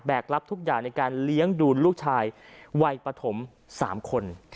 รับทุกอย่างในการเลี้ยงดูลูกชายวัยปฐม๓คน